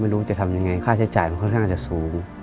ไม่รู้จะทำยังไงค่าใช้จ่ายมันค่อนข้างจะสูง